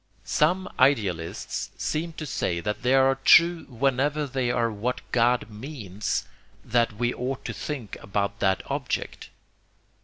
Some idealists seem to say that they are true whenever they are what God means that we ought to think about that object.